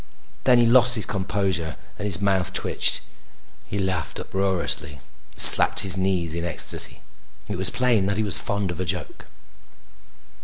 Then he lost his composure and his mouth twitched. He laughed uproariously and slapped his knees in ecstasy. It was plain that he was fond of a joke.